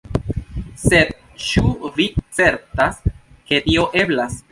Sed ĉu vi certas ke tio eblas?